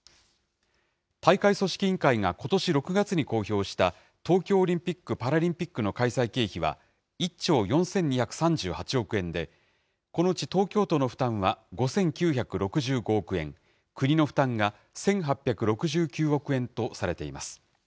大会組織委員会がことし６月に公表した、東京オリンピック・パラリンピックの開催経費は１兆４２３８億円で、このうち東京都の負担は５９６５億円、国の負担が１８６９億円とされています。